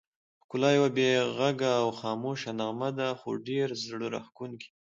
ښکلا یوه بې غږه او خاموشه نغمه ده، خو ډېره زړه راښکونکې.